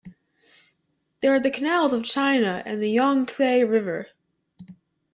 There are the canals of China, and the Yang-tse River.